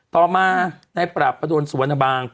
ต่อมาในปราบประดนสุวรรณบาง